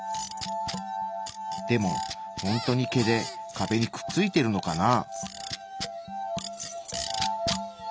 でもホントに毛で壁にくっついてるのかな？